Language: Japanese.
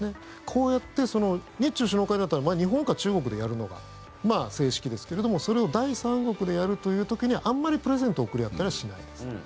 こうやって日中首脳会談というのは日本か中国でやるのが正式ですけれどもそれを第三国でやるという時にはあんまりプレゼントは贈り合ったりしないです。